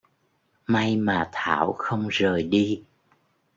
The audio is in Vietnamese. may mà thảo không rời đi